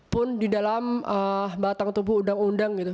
pun di dalam batang tubuh undang undang gitu